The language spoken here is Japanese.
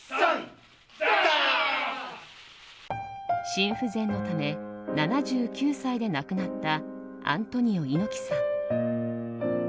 心不全のため７９歳で亡くなったアントニオ猪木さん。